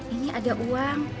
ini ada uang